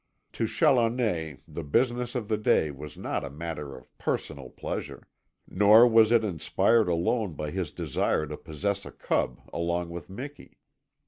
To Challoner the business of the day was not a matter of personal pleasure, nor was it inspired alone by his desire to possess a cub along with Miki.